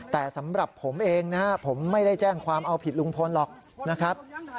แต่สำหรับผมเองนะครับผมไม่ได้แจ้งความเอาผิดลุงพลหรอกนะครับ